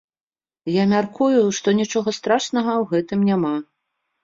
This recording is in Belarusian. Я мяркую, што нічога страшнага ў гэтым няма.